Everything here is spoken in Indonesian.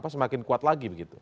semakin kuat lagi